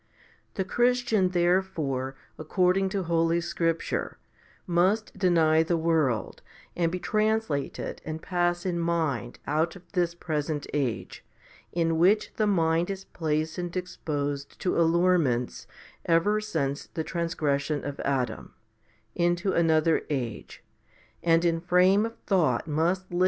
The Christian therefore, according to holy scripture, must deny the world, and be translated and pass in mind out of this present age, in which the mind is placed and exposed to allurements ever since the transgression of Adam, into another age, and in frame of thought must liv.